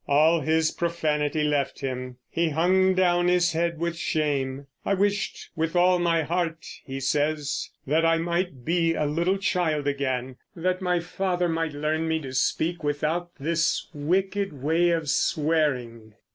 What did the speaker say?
All his profanity left him; he hung down his head with shame. "I wished with all my heart," he says, "that I might be a little child again, that my father might learn me to speak without this wicked way of swearing."